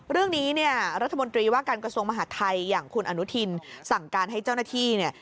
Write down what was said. เรื่องนี้เนี่ยรัฐมนตรีว่าการกระทรวงมหาดไทยอย่างคุณอนุทินสั่งการให้เจ้าหน้าที่เนี่ย